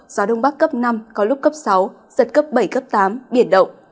gió đông bắc cấp năm có lúc cấp sáu giật cấp bảy cấp tám biển động